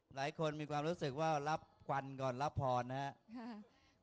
หลายคนมีความรู้สึกว่ารับควันก่อนรับพรนะครับ